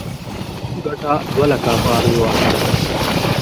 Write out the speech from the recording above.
ګټه دوه لکه افغانۍ وه.